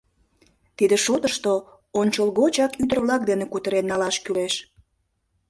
Тиде шотышто ончылгочак ӱдыр-влак дене кутырен налаш кӱлеш.